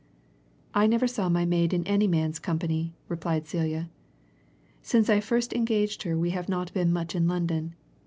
"I never saw my maid in any man's company," replied Celia. "Since I first engaged her we have not been much in London.